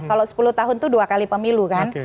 kalau sepuluh tahun itu dua kali pemilu kan